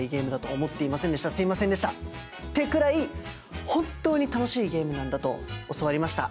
すいませんでしたってくらい本当に楽しいゲームなんだと教わりました。